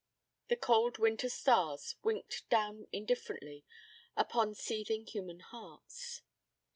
The cold winter stars winked down indifferently upon seething human hearts.